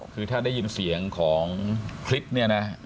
คือถ้าได้ยินเสียงของคลิปเนี่ยนะ